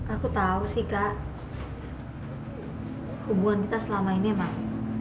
aku tahu sih kak hubungan kita selama ini emang